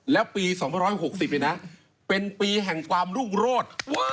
แล้วปี๒๐๑๖เนี่ยนะเป็นปีแห่งความรุ่งโรธ